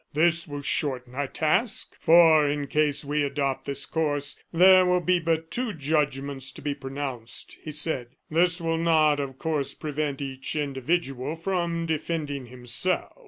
"This will shorten our task, for, in case we adopt this course, there will be but two judgments to be pronounced," he said. "This will not, of course, prevent each individual from defending himself."